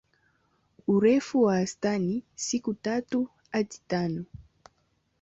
Urefu wa wastani siku tatu hadi tano.